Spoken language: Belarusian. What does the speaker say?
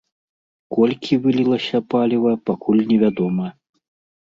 Колькі вылілася паліва, пакуль невядома.